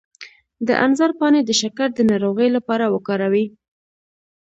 د انځر پاڼې د شکر د ناروغۍ لپاره وکاروئ